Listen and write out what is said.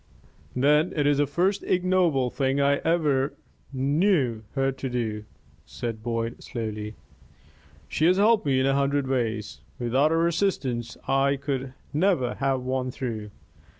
"Then it is the first ignoble thing I ever knew her to do," said Boyd, slowly. "She has helped me in a hundred ways. Without her assistance, I could never have won through.